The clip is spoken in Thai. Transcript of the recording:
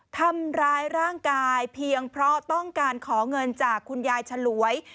ทำร้ายร่างกายเพียงเพราะต้องการขอเงินจากคุณยายฉลวย